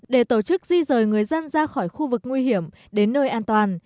để tổ chức di rời người dân ra khỏi khu vực nguy hiểm đến nơi an toàn